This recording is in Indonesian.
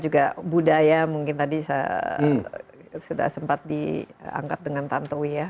juga budaya mungkin tadi sudah sempat diangkat dengan tantowi ya